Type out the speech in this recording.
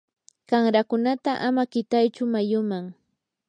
qanrakunata ama qitaychu mayuman.